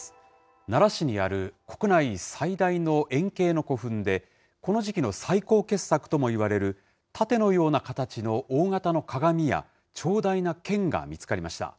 奈良市にある国内最大の円形の古墳で、この時期の最高傑作ともいわれる盾のような形の大型の鏡や、長大な剣が見つかりました。